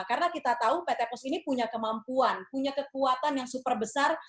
karena kita tahu pt pos ini punya kemampuan punya kekuatan yang super besar